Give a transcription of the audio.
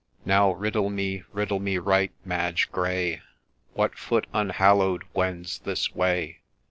' Now riddle me, riddle me right, Madge Gray, What foot unhallow'd wends this way